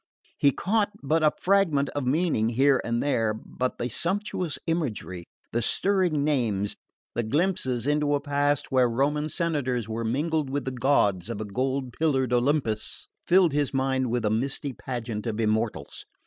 He caught but a fragment of meaning here and there, but the sumptuous imagery, the stirring names, the glimpses into a past where Roman senators were mingled with the gods of a gold pillared Olympus, filled his mind with a misty pageant of immortals.